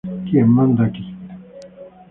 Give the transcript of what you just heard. Quien manda aqui.